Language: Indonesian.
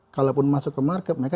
kalaupun masuk ke market mereka